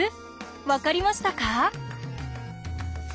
分かりましたか？